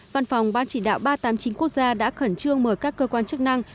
văn phòng ban chỉ đạo ba trăm tám mươi chín quốc gia đã khẩn trương mời các cơ quan chức năng